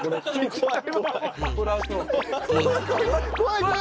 怖い！